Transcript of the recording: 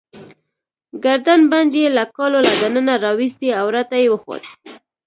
ګردن بند يې له کالو له دننه راوایستی، او راته يې وښود.